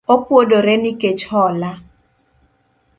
Opuodore nikech hola